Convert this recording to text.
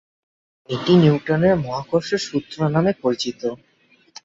এটি নিউটনের মহাকর্ষ সূত্র নামে পরিচিত।